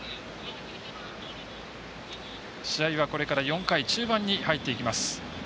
試合はこれから４回中盤に入っていきます。